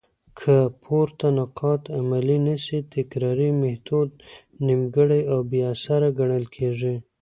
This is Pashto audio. که پورته نقاط عملي نه سي؛ تکراري ميتود نيمګړي او بي اثره ګڼل کيږي.